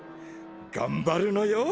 がんばるのよ！